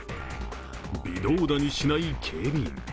微動だにしない警備員。